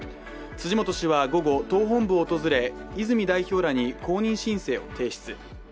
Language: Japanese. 辻本氏は午後、党本部を訪れ、泉代表らに公認申請を提出。